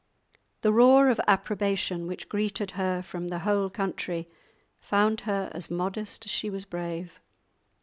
The roar of approbation which greeted her from the whole country found her as modest as she was brave.